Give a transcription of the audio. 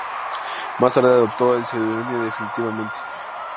Más tarde, adoptó el seudónimo definitivamente.